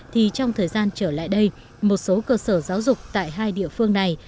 thì trong thời gian trở lại đây một số cơ sở giáo dục tại hai địa phương này